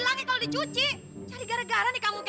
lihat dia udah jadi anak yang baik